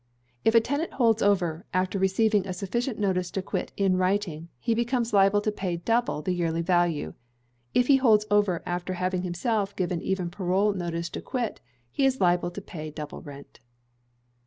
If a tenant holds over, after receiving a sufficient notice to quit, in writing, he becomes liable to pay double the yearly value; if he holds over after having himself given even parole notice to quit, he is liable to pay double rent.